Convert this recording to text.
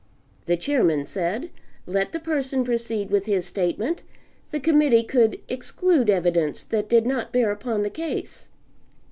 The chairman said, let the person proceed with his statement the Committee could exclude evidence that did not bear upon the case.